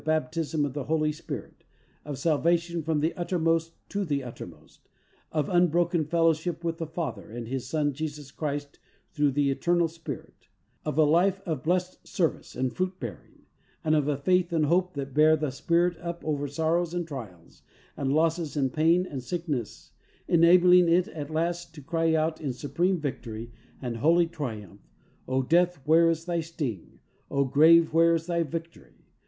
baptism of the Holy Spirit, of salvation from the uttermost to the uttermost; of un broken fellowship with the Father and His Son Jesus Christ through the eternal Spirit; of a life of blessed service and fruit bearing, and of a faith and hope that bear the spirit up over sorrows and trials and losses and pain and sickness, enabling it at last to cry out in supreme victory and holy tri umph: "O Death, where is thy sting, O Grave, where is thy victory?